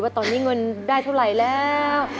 ตอนนี้เงินได้เท่าไหร่แล้ว